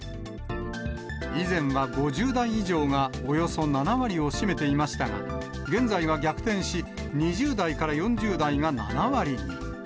以前は５０代以上がおよそ７割を占めていましたが、現在は逆転し、２０代から４０代が７割に。